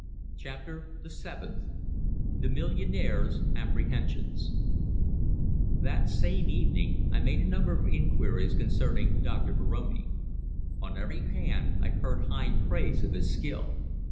CHAPTER THE SEVENTH THE MILLIONAIRE'S APPREHENSIONS That same evening I made a number of inquiries concerning Doctor Moroni. On every hand I heard high praise of his skill.